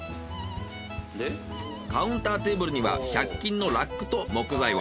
カウンターテーブルには１００均のラックと木材を。